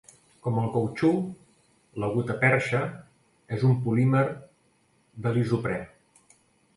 Com el cautxú, la gutaperxa és un polímer de l'isoprè.